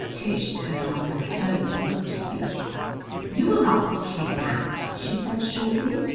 Tish turned on her stone and looked at me. "You will not be kidnaped," she said shortly.